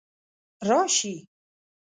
راشي